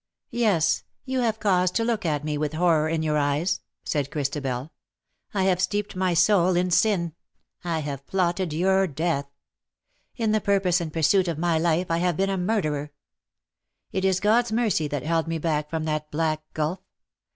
" Yes_, you have cause to look at me with horror in your eyes," said Christabel. ^' I have steeped my soul in sin ; I have plotted your death. In the purpose and pursuit of my life I have been a murderer. It is God^s mercy that held me back from that black gulf.